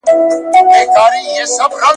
اسونه ئې په سوو گټي، مړونه ئې په خولو گټي.